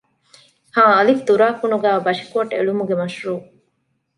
ހއ.ތުރާކުނުގައި ބަށިކޯޓް އެޅުމުގެ މަޝްރޫޢު